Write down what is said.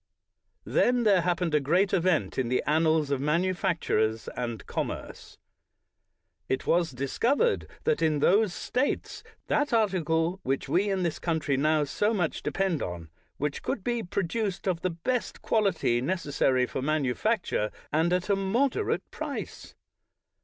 Then there happened a great event in the annals of manufactures and commerce. It was discovered that in those States that article which we in this country now so much depend on, could be produced of the best quality necessary for manufacture, and at a moderate price.